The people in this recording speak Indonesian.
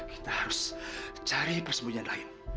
kita harus cari persembunyian lain